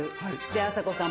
あさこさん